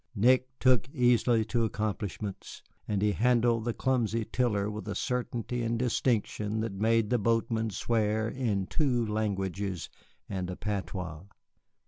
Nick took easily to accomplishments, and he handled the clumsy tiller with a certainty and distinction that made the boatmen swear in two languages and a patois.